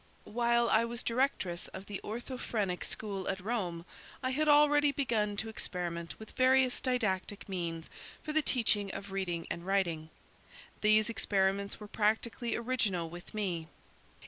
While I was directress of the Orthophrenic School at Rome, I had already begun to experiment with various didactic means for the teaching of reading and writing. These experiments were practically original with me.